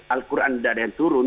al quran tidak ada yang turun